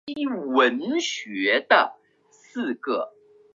五官中郎将曹丕和王忠跟随曹操外出。